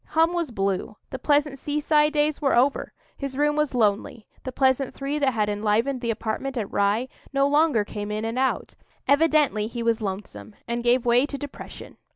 Hum was blue; the pleasant seaside days were over; his room was lonely, the pleasant three that had enlivened the apartment at Rye no longer came in and out; evidently he was lonesome, and gave way to depression.